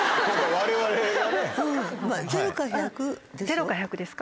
０か１００ですか。